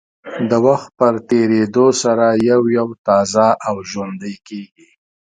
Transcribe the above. د وخت په تېرېدو سره یو یو تازه او ژوندۍ کېږي.